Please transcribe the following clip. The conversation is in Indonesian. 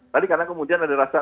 tadi karena kemudian ada rasa